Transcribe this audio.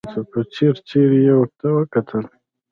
په ځير ځير يې ورته وکتل.